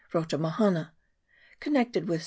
Rotu Mahana, con nected with, 7.